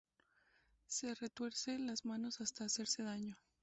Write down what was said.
Se retuerce las manos hasta hacerse daño.